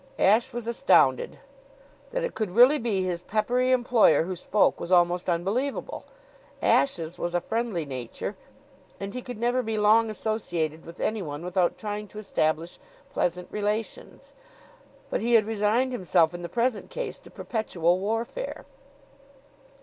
Ashe was astounded. That it could really be his peppery employer who spoke was almost unbelievable. Ashe's was a friendly nature and he could never be long associated with anyone without trying to establish pleasant relations; but he had resigned himself in the present case to perpetual warfare.